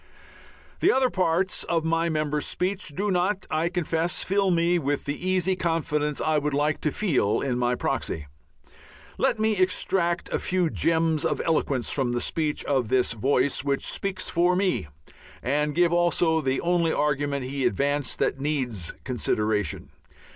The other parts of my member's speech do not, I confess, fill me with the easy confidence I would like to feel in my proxy. Let me extract a few gems of eloquence from the speech of this voice which speaks for me, and give also the only argument he advanced that needs consideration.